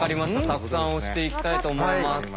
たくさん押していきたいと思います。